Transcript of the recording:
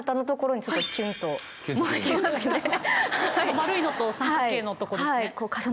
丸いのと三角形のとこですね。